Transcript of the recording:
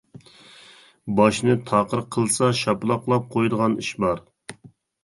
باشنى تاقىر قىلسا شاپىلاقلاپ قويىدىغان ئىشى بار.